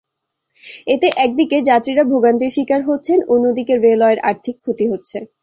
এতে একদিকে যাত্রীরা ভোগান্তির শিকার হচ্ছেন, অন্যদিকে রেলওয়ের আর্থিক ক্ষতি হচ্ছে।